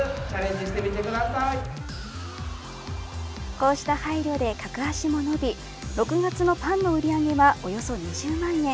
こうした配慮で客足も伸び６月のパンの売り上げはおよそ２０万円。